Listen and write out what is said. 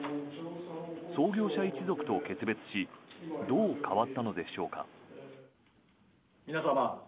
創業者一族と決別しどう変わったのでしょうか。